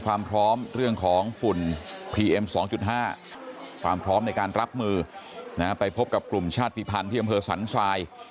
ความพร้อมในการรับมือไปพบกับกลุ่มชาติภัณฑ์ที่บริเวณสันทราย